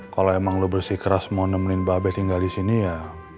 kalau emang lo bersih keras mau nemenin babe tinggal di sini ya